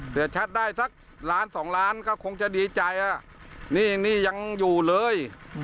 เสียชัดได้สักล้านสองล้านก็คงจะดีใจนี่นี่ยังอยู่เลย